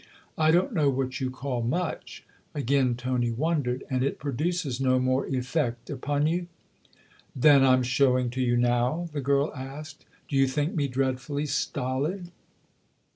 " I don't know what you call ' much '!" Again Tony wondered. " And it produces no more effect upon you "" Than I'm showing to you now ?" the girl asked. " Do }'ou think me dreadfully stolid